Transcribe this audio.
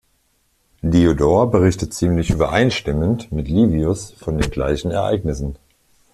Diodor berichtet ziemlich übereinstimmend mit Livius von den gleichen Ereignissen.